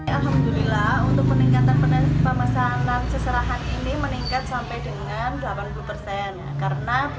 alhamdulillah untuk meningkatkan penasaran seserahan ini